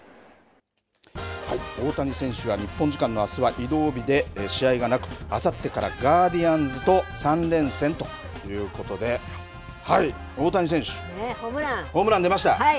はい、大谷選手は日本時間のあすは移動日で試合がなくあさってからガーディアンズと３連戦ということではい、大谷選手ホームラン出ました。